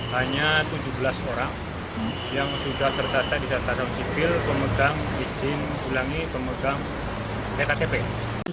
hanya tujuh belas orang yang sudah terdata di catatan sipil pemegang izin ulangi pemegang ektp